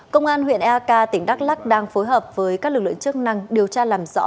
công an huyện eak tỉnh đắk lắc đang phối hợp với các lực lượng chức năng điều tra làm rõ